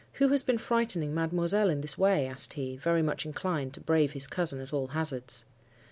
'Who has been frightening mademoiselle in this way?' asked he, very much inclined to brave his cousin at all hazards.